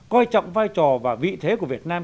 coi trọng vai trò và vị thế của việt nam